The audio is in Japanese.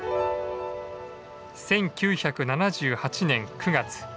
１９７８年９月。